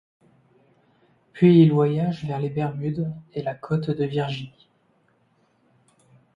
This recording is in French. Puis il voyage vers les Bermudes et la côte de Virginie.